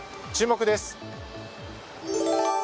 注目です。